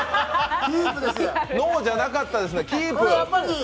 ノーじゃなかったですね。